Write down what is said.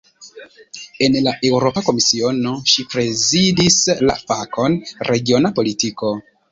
En la Eŭropa Komisiono, ŝi prezidis la fakon "regiona politiko".